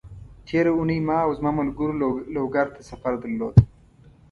تېره اونۍ ما او زما ملګرو لوګر ته سفر درلود،